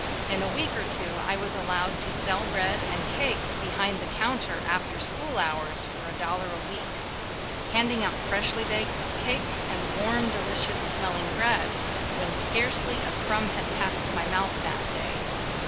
In a week or two I was allowed to sell bread and cakes behind the counter after school hours for a dollar a week ŌĆö handing out freshly baked cakes and warm, de licious smelling bread, when scarcely a crumb had passed my mouth that day!